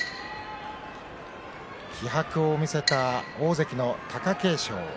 気迫を見せた大関貴景勝。